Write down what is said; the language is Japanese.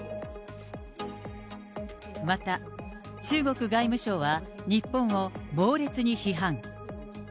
また、中国外務省は日本を猛烈に批判。